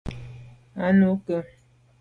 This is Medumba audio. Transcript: A nu ke ?